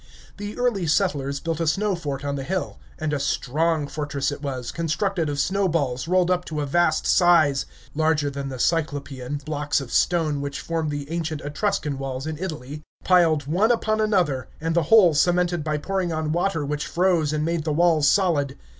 The Early Settlers built a snow fort on the hill, and a strong fortress it was, constructed of snowballs, rolled up to a vast size (larger than the cyclopean blocks of stone which form the ancient Etruscan walls in Italy), piled one upon another, and the whole cemented by pouring on water which froze and made the walls solid.